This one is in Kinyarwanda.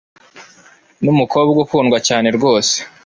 Numukobwa ukundwa cyane rwose.